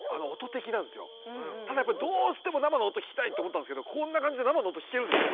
ただやっぱりどうしても生の音聴きたいと思ったんですけどこんな感じで生の音聴けるんでしょ。